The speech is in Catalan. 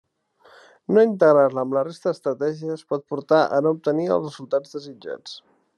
No integrar-la amb la resta d'estratègies pot portar a no obtenir els resultats desitjats.